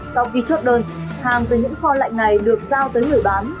sau khi chốt đơn hàng từ những kho lạnh này được giao tới người bán